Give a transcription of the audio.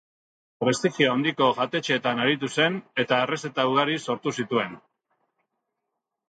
Prestigio handiko jatetxeetan aritu zen eta errezeta ugari sortu zituen.